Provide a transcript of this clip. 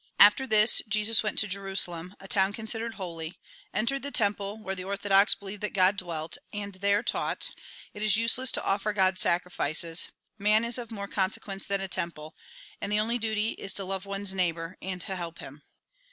After this, Jesus went to Jerusalem, a town con sidered holy, entered the temple, where the orthodox believed that God dwelt, and there taught :" It is useless to offer God sacrifices ; man is of more con sequence than a temple ; and the only duty is, to love one's neighbour, and help him."